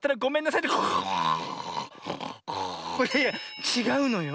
いやいやちがうのよ。